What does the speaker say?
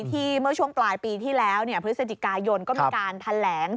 เมื่อช่วงปลายปีที่แล้วพฤศจิกายนก็มีการแถลง